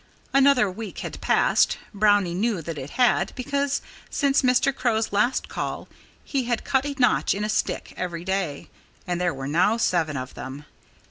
Another week had passed. Brownie knew that it had, because since Mr. Crow's last call he had cut a notch in a stick each day. And there were now seven of them.